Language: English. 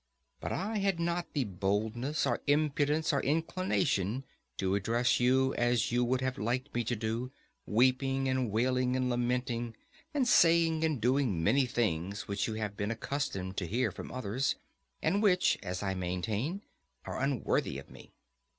But I had not the boldness or impudence or inclination to address you as you would have liked me to do, weeping and wailing and lamenting, and saying and doing many things which you have been accustomed to hear from others, and which, as I maintain, are unworthy of me.